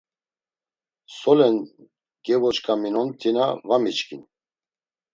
Solen gevoç̌ǩaminontina va miçkin.